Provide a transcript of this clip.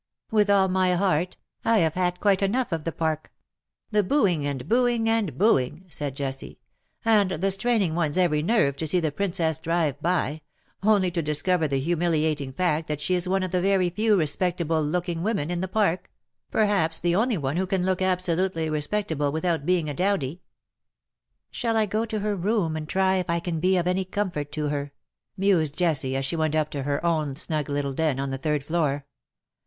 " With all my heart : I have had quite enough of the Park." " The ' booing, and booing, and booing,"' " said Jessie, *^and the straining one^s every nerve to see the Princess drive by — only to discover the humi Hating fact that she is one of the very few respect able looking women in the Park — perhaps the only 272 LE SECRET DE POLICHINELLE. one "who can look absolutely respectable without being a dowdy /^" Shall I go to her room and try if I can be of any comfort to her ?" mused Jessie, as she went up to her own snug little den on the third floor.